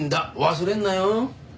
忘れんなよ。